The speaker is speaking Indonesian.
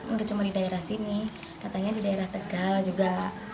nggak cuma di daerah sini katanya di daerah tegal juga